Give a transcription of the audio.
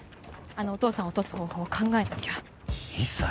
あのお父さんを落とす方法を考えなきゃ一切？